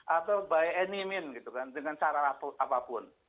atau by any means gitu kan dengan cara rapuh apapun